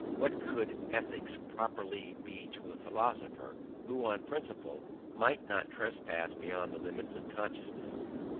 What could ethics properly be to a philosopher who on principle might not trespass beyond the limits of consciousness?